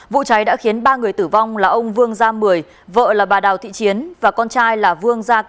vụ cháy đã khiến ba người tử vong là ông vương gia mười vợ là bà đào thị chiến và con trai là vương gia cảnh